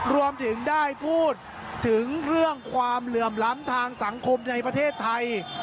รวมถึงได้พูดถึงเรื่องความเหลื่อมล้ำทางสังคมในประเทศไทย